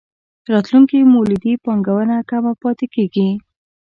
راتلونکې مولدې پانګونه کمه پاتې کېږي.